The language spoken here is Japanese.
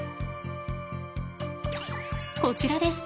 こちらです。